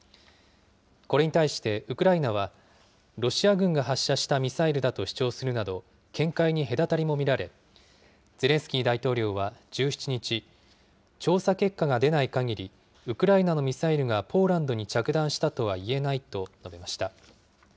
これに対して、ウクライナはロシア軍が発射したミサイルだと主張するなど、見解に隔たりも見られ、ゼレンスキー大統領は１７日、調査結果が出ないかぎり、ウクライナのミサイルがポーランドに着弾したとは言えないと述べました。